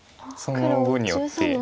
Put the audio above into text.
その碁によって。